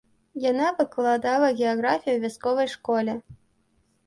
Яна выкладала геаграфію ў вясковай школе.